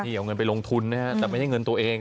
เอาเงินไปลงทุนนะฮะแต่ไม่ใช่เงินตัวเอง